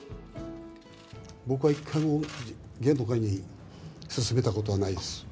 僕は一回も芸能界に勧めたことがないです。